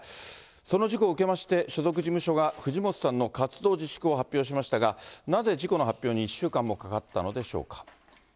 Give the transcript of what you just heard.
その事故を受けまして、所属事務所が、藤本さんの活動自粛を発表しましたが、なぜ事故の発表に１週間もかかったのでしょうか。